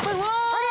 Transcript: あれ？